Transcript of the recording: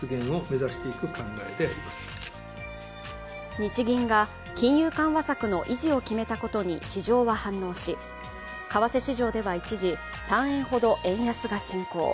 日銀が金融緩和策の維持を決めたことに市場は反応し、為替市場では一時、３円ほど円安が進行。